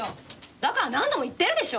だから何度も言ってるでしょ！